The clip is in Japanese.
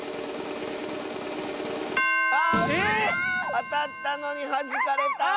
あたったのにはじかれた。